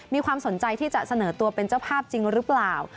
มีความสนใจที่จะเสนอตัวเป็นเจ้าภาพจริงหรือเปล่า